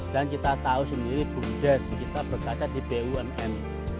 dan kita tahu sendiri bumdes kita berada di bumn